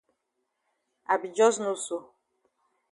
I be jus know so.